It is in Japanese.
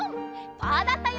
パーだったよ。